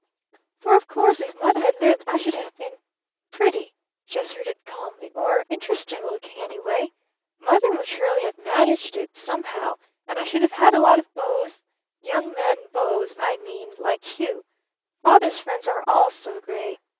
"For, of course, if Mother had lived I should have been pretty," she asserted calmly, "or interesting looking, anyway. Mother would surely have managed it somehow; and I should have had a lot of beaux young men beaux I mean, like you. Father's friends are all so gray!